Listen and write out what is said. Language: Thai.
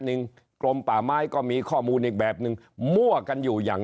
กรมป่าไม้ก็มีข้อมูลอีกแบบนึงมั่วกันอยู่อย่าง